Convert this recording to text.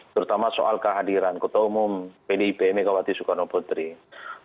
terutama soal kehadiran ketua umum pdip megawati soekarno putri